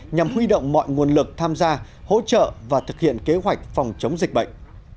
nhằm huy động mọi nguồn lực tham gia hỗ trợ và thực hiện kế hoạch phòng chống dịch bệnh